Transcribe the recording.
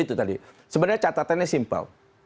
itu tadi sebenarnya catatannya simpel